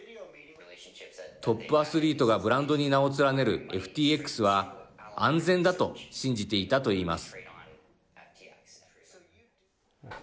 トップアスリートがブランドに名を連ねるＦＴＸは安全だと信じていたと言います。